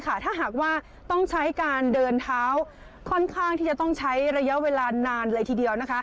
ถ้าหากว่าต้องใช้การเดินเท้าค่อนข้างที่จะต้องใช้ระยะเวลานานเลยทีเดียว